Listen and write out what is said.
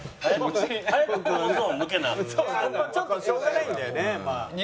ちょっとしょうがないんだよね。